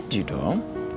udah aja dong